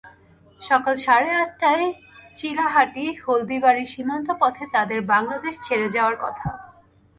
সকাল সাড়ে আটটায় চিলাহাটি-হলদিবাড়ী সীমান্ত পথে তাঁদের বাংলাদেশ ছেড়ে যাওয়ার কথা।